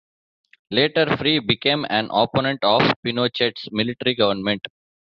Later, Frei became an opponent of Pinochet's military government.